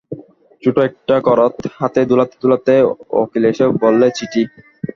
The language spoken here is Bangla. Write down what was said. ছোটো একটা করাত হাতে দোলাতে দোলাতে অখিল এসে বললে, চিঠি!